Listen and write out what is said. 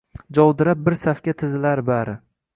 Jovdirab bir safga tizilar bari.